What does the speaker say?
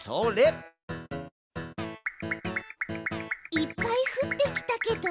いっぱい降ってきたけど。